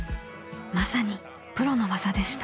まさにプロのわざでした］